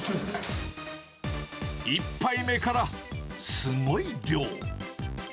１杯目からすごい量。